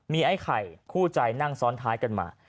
มีไอ้ไข่คู่ใจนั่งซ้อนท้ายกันมา